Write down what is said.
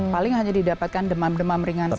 paling hanya didapatkan demam demam ringan saja